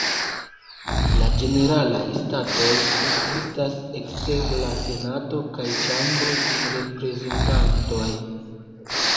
La Ĝeneralaj Statoj ekzistas ekster la Senato kaj Ĉambro de Reprezentantoj.